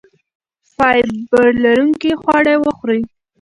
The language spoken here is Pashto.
فایبر لرونکي خواړه وخورئ.